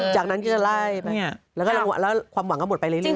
จากนั้นก็จะไล่ไปแล้วก็ความหวังก็หมดไปเรื่อย